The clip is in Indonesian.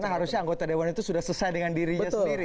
karena harusnya anggota dewan itu sudah selesai dengan dirinya sendiri